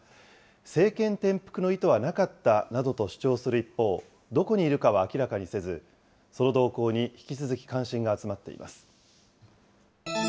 政権転覆の意図はなかったなどと主張する一方、どこにいるかは明らかにせず、その動向に引き続き関心が集まっています。